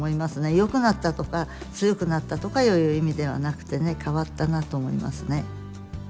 よくなったとか強くなったとかいう意味ではなくてね変わったなと思いますね。